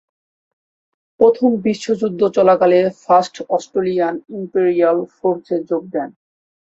প্রথম বিশ্বযুদ্ধ চলাকালে ফার্স্ট অস্ট্রেলিয়ান ইম্পেরিয়াল ফোর্সে যোগ দেন।